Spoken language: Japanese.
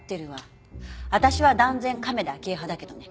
私は断然亀田亜希恵派だけどね。